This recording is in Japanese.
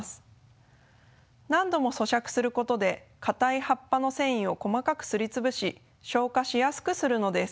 何度もそしゃくすることで硬い葉っぱの繊維を細かくすり潰し消化しやすくするのです。